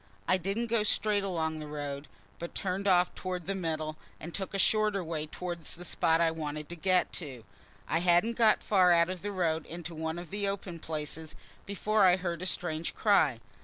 I didn't go straight along the road, but turned off towards the middle, and took a shorter way towards the spot I wanted to get to. I hadn't got far out of the road into one of the open places before I heard a strange cry.